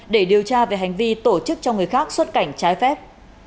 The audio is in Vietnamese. để điều tra về hành vi tổ chức cho người khác xuất cảnh trái phép